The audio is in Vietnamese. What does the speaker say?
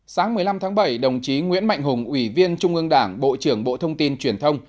sáng một mươi năm tháng bảy đồng chí nguyễn mạnh hùng ủy viên trung ương đảng bộ trưởng bộ thông tin truyền thông